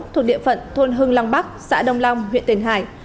thuộc địa phận thôn hưng long bắc xã đông long huyện tiền hải